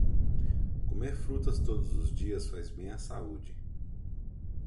Comer frutas todos os dias faz bem à saúde.